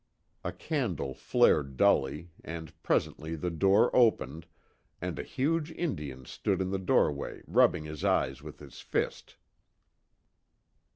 A candle flared dully, and presently the door opened, and a huge Indian stood in the doorway rubbing his eyes with his fist.